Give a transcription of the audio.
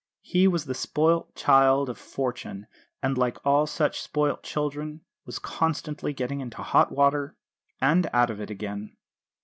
He was the spoilt child of Fortune; and, like all such spoilt children, was constantly getting into hot water and out of it again.